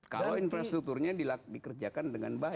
kalau infrastrukturnya dikerjakan dengan baik